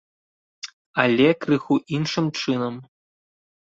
Але крыху іншым чынам.